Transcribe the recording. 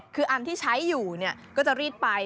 คืออันที่ใช้อยู่ก็จะรีดไป